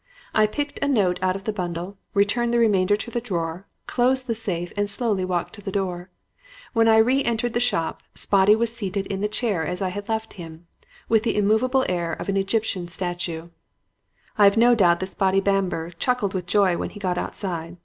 I picked a note out of the bundle, returned the remainder to the drawer, closed the safe and slowly walked to the door. When I re entered the shop, Spotty was seated in the chair as I had left him, with the immovable air of an Egyptian statue. "I have no doubt that Spotty Bamber chuckled with joy when he got outside.